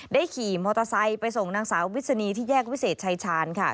ขี่มอเตอร์ไซค์ไปส่งนางสาววิศนีที่แยกวิเศษชายชาญค่ะ